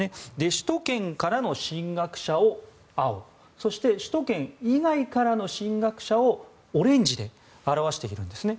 首都圏からの進学者を青そして首都圏以外からの進学者をオレンジで表しているんですね。